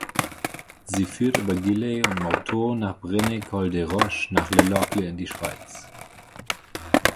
Sie führt über Gilley und Morteau nach Brenets-Col-des-Roches nach Le Locle in die Schweiz.